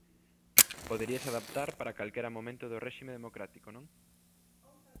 Poderíase adaptar para calquera momento do réxime democrático, non?